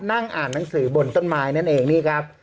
นั่งอ่านหนังสือบนต้นไม้นั่นเองนี่ครับ